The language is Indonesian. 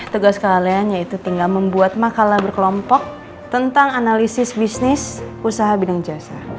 tugas kalian yaitu tinggal membuat makalah berkelompok tentang analisis bisnis usaha bidang jasa